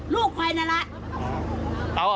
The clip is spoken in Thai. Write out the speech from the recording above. ลูกใครน่ะล่ะ